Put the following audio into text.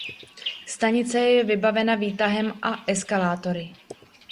Stanice je vybavena výtahem a eskalátory.